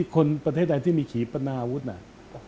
คนประเทศไทยที่มีขีภรานอาวุธน่า